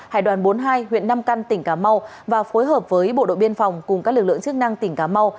hải đoàn bốn mươi hai huyện nam căn tỉnh cà mau và phối hợp với bộ đội biên phòng cùng các lực lượng chức năng tỉnh cà mau